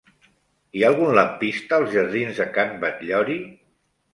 Hi ha algun lampista als jardins de Can Batllori?